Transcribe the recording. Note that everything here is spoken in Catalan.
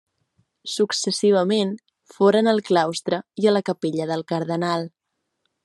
Successivament foren al claustre i a la capella del Cardenal.